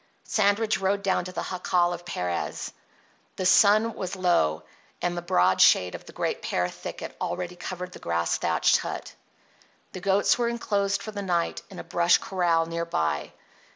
Sandridge rode down to the jacal of Perez. The sun was low, and the broad shade of the great pear thicket already covered the grass thatched hut. The goats were enclosed for the night in a brush corral near by.